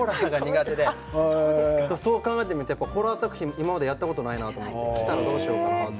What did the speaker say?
そう考えてみるとホラー作品、今までやったことないなきたらどうしようと。